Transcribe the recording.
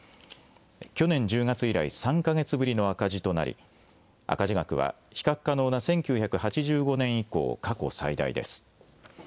去年１０月以来、３か月ぶりの赤字となり、赤字額は比較可能な１９８５年以降、過去最大です。